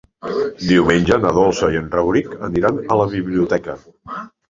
Diumenge na Dolça i en Rauric aniran a la biblioteca.